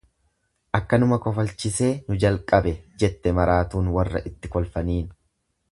Akkanuma kofalchisee nu jalqabe jette maraatuun warra itti kolfaniin.